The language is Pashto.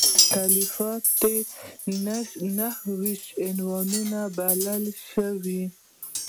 تالیفات یې نهه ویشت عنوانه بلل شوي.